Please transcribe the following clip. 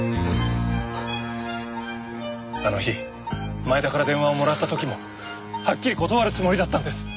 あの日前田から電話をもらった時もはっきり断るつもりだったんです。